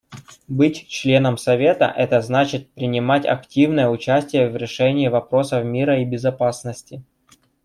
Быть членом Совета — это значит принимать активное участие в решении вопросов мира и безопасности.